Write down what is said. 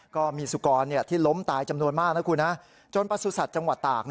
ก็มีสุกรที่ล้มตายจำนวนมากนะคุณจนประสุทธิ์จังหวัดตาก